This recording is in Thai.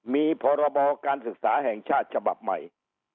มีพรบการศึกษาแห่งชาติฉบับใหม่